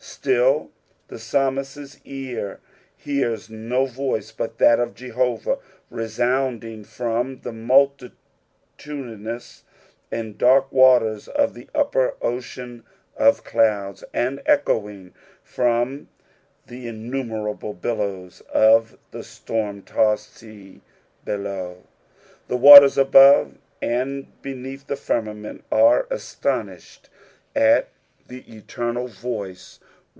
Still the Psalmist's ear hears no voice but that of Jehovah, resounding from the multi tudinous and dark waters of the upper ocean of clouds, and echoing from the innnmerable billows of the storm tossed sea below. The waters above and beneath the firmament ore astonished at the eternal voice.